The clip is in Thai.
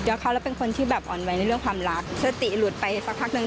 แล้วเขาแล้วเป็นคนที่แบบอ่อนไวในเรื่องความรักสติหลุดไปสักพักหนึ่ง